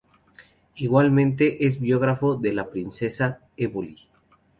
Igualmente, es biógrafo de la princesa de Éboli.